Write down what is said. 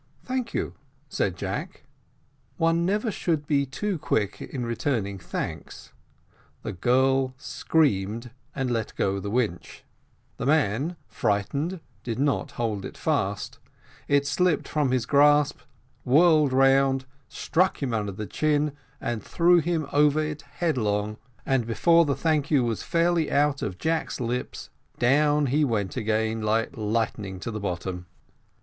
"Thank you," said Jack. One never should be too quick in returning thanks; the girl screamed and let go the winch; the man, frightened, did not hold it fast: it slipped from his grasp, whirled round, struck him under the chin and threw him over it headlong, and before the "Thank you" was fairly out of Jack's lips, down he went again like lightning to the bottom.